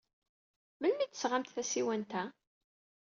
Melmi ay d-tesɣamt tasiwant-a?